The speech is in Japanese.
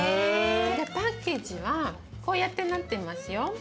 パッケージはこうやってなってますよ。